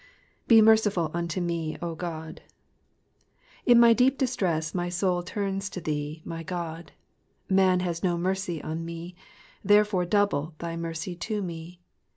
^^Be merciful unto me, 0 Ood.^^ In my deep distress my soul turns to thee, my God. Man has no mercy on me, therefore double thy mercy to me.